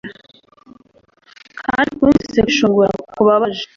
kandi twumvise kwishongora kubabaje